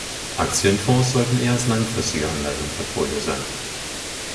Aktienfonds sollten eher als langfristige Anlage im Portfolio sein.